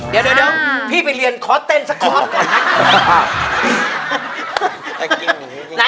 เดี๋ยวพี่ไปเรียนคอร์ดเต้นสก๊อตก่อนนะ